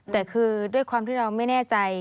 แต่คือด้วยความที่เราไม่แน่ใจ